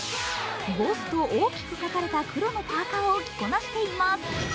ＢＯＳＳと大きく描かれた黒のパーカーを着こなしています。